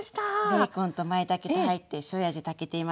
ベーコンとまいたけと入ってしょうゆ味炊けています。